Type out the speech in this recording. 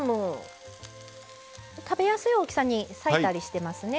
食べやすい大きさに裂いたりしてますね。